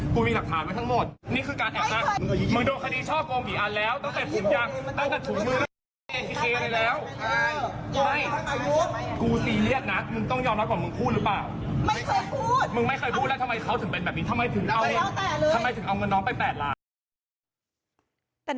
กูมีหักฐานไว้ทั้งหมดนี่คือการแอบตัด